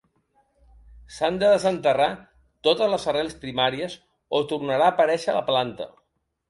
S'han de desenterrar totes les arrels primàries o tornarà a aparèixer la planta.